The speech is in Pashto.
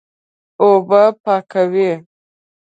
اوبه پاکوي.